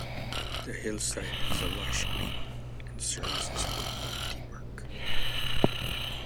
The hillside is a lush green and serves as a community park.